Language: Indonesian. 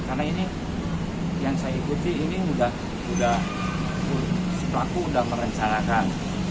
karena ini yang saya ikuti ini sudah sudah setelahku sudah merencanakan